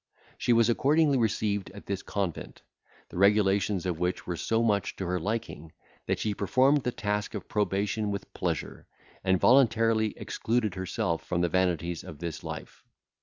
She was accordingly received in this convent, the regulations of which were so much to her liking, that she performed the task of probation with pleasure, and voluntarily excluded herself from the vanities of this life.